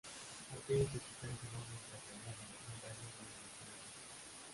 Aquellos que escucharan su voz mientras hablaba lograrían la inmortalidad".